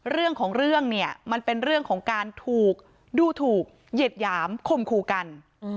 เรื่องของเรื่องเนี่ยมันเป็นเรื่องของการถูกดูถูกเหยียดหยามคมคู่กัน